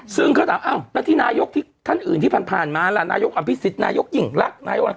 ซึ่งเขาตามอ้าวแล้วที่นายกท่านอื่นที่ผ่านมานายกอัมพิสิทธิ์นายกหญิงรัก